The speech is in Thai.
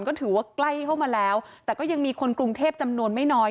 ก็ถือว่าใกล้เข้ามาแล้วแต่ก็ยังมีคนกรุงเทพจำนวนไม่น้อย